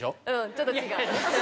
ちょっと違う。